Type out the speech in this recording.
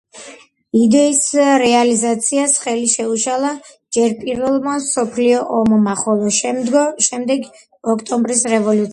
იდეის რეალიზაციას ხელი შეუშალა ჯერ პირველმა მსოფლიო ომმა, ხოლო შემდეგ ოქტომბრის რევოლუციამ.